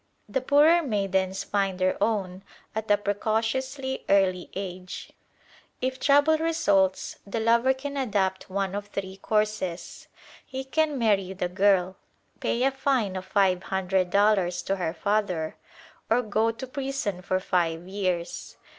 The poorer maidens find their own at a precociously early age. If trouble results, the lover can adopt one of three courses. He can marry the girl; pay a fine of five hundred dollars to her father; or go to prison for five years.